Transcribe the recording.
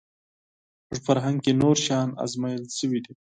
زموږ فرهنګ کې نور شیان ازمویل شوي دي